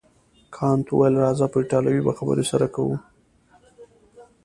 کانت وویل راځه په ایټالوي به خبرې سره کوو.